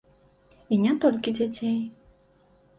І не толькі дзяцей.